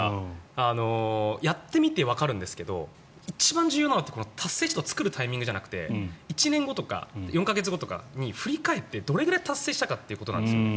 やってみてわかるんですけど一番重要なのって達成シートを作るタイミングじゃなくて１年後とか４か月後とかに振り返ってどれくらい達成したかということなんです。